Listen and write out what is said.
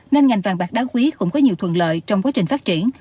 nên ngành vàng bạc đá quý cũng có nhiều thuận lợi trong quá trình phát triển